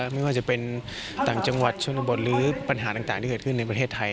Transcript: ไม่ว่าจะเป็นต่างจังหวัดชนบทหรือปัญหาต่างที่เกิดขึ้นในประเทศไทย